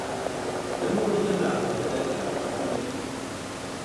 Lembu diternak untuk daging, susu dan kulit.